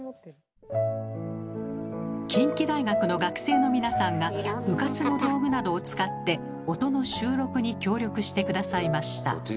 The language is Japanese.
近畿大学の学生の皆さんが部活の道具などを使って音の収録に協力して下さいました。